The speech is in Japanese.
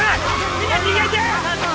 みんな逃げて！